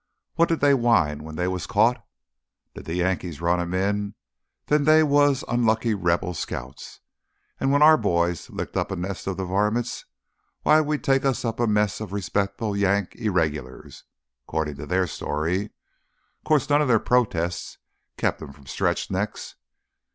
What did they whine when they was caught? Did th' Yankees run 'em in, then they was unlucky Reb scouts. An' when our boys licked up a nest of th' varmints—why, we'd taken us a mess o' respectable Yank 'Irregulars,' 'cordin' to their story. 'Course none of their protestin' kept 'em from stretched necks."